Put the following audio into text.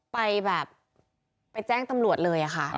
ไปแบบไปแจ้งตำรวจเลยค่ะ